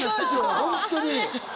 本当に。